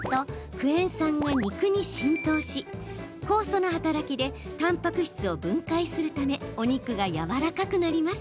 クエン酸が肉に浸透し酵素の働きでたんぱく質を分解するためお肉がやわらかくなります。